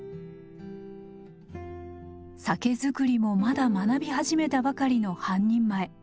酒造りもまだ学び始めたばかりの半人前。